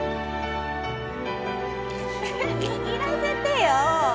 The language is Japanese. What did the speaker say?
握らせてよ。